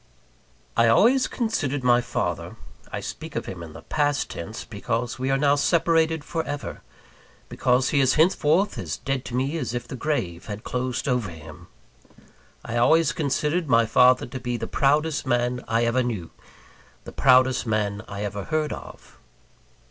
I always considered my father I speak of him in the past tense, because we are now separated for ever; because he is henceforth as dead to me as if the grave had closed over him I always considered my father to be the proudest man I ever knew; the proudest man I ever heard of.